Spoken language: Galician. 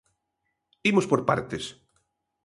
Imos por partes.